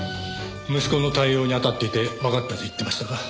息子の対応にあたっていてわかったと言ってましたが。